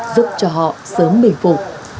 giúp cho họ sớm bình phục